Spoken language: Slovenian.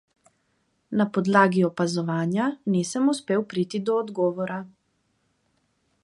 Na podlagi opazovanja nisem uspel priti do odgovora.